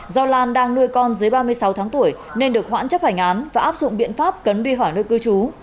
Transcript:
do lan đang nuôi con dưới ba mươi sáu tháng tuổi nên được khoản chấp hành án và áp dụng biện pháp cấn đi hỏi nơi cư trú